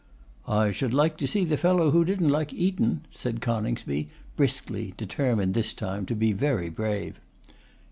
'I should like to see the fellow who did not like Eton,' said Coningsby, briskly, determined this time to be very brave.